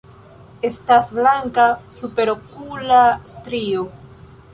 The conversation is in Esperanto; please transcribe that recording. Estas blanka superokula strio.